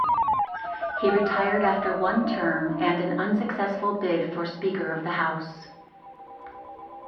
He retired after one term and an unsuccessful bid for Speaker of the House.